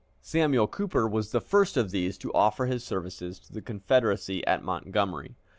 Samuel Cooper was the first of these to offer his services to the Confederacy at Montgomery.